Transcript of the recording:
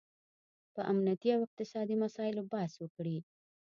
په امنیتي او اقتصادي مساییلو بحث وکړي